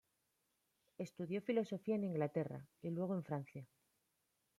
Estudió filosofía en Inglaterra y luego en Francia.